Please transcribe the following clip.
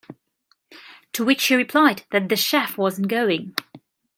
To which she replied that the chef wasn't going.